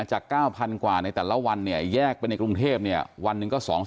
จาก๙๐๐กว่าในแต่ละวันเนี่ยแยกไปในกรุงเทพเนี่ยวันหนึ่งก็๒๐๐๐